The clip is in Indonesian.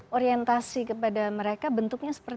oke jadi orientasi kepada mereka bentuknya seperti apa